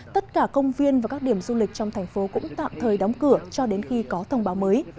tất cả công viên và các điểm du lịch trong thành phố cũng tạm thời đóng cửa cho đến khi có thông báo mới